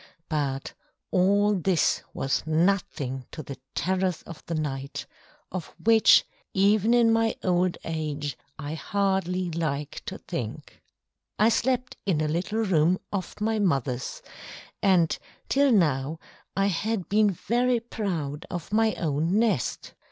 But all this was nothing to the terrors of the night, of which, even in my old age, I hardly like to think. I slept in a little room off my mother's, and till now I had been very proud of my own nest.